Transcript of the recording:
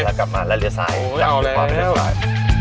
แล้วกลับมาละเยอะสายจำเป็นความละเยอะสาย